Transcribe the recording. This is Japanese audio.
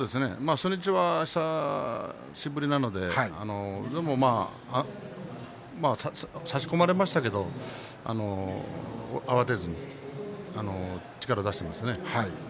初日は久しぶりなのででもまあ差し込まれましたけど慌てずに力を出していますね。